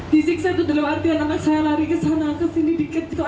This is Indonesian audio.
disiksa itu dalam artian anak saya lari kesana kesini dikecil